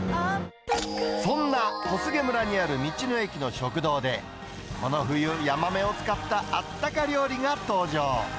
そんな小菅村にある道の駅の食堂で、この冬、ヤマメを使ったあったか料理が登場。